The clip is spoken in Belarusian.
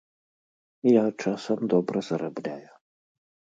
Я часам добра зарабляю.